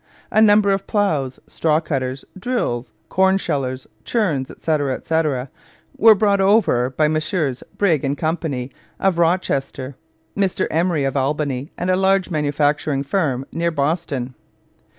A large number of ploughs, straw cutters, drills, cornshellers, churns, etc., etc., were brought over by Messrs Briggs & Co. of Rochester, Mr Emery of Albany, and a large manufacturing firm near Boston.